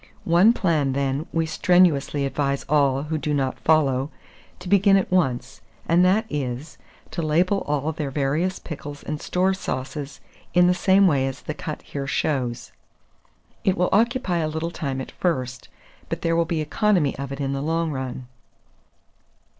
One plan, then, we strenuously advise all who do not follow, to begin at once, and that is, to label all their various pickles and store sauces, in the same way as the cut here shows. It will occupy a little time at first, but there will be economy of it in the long run.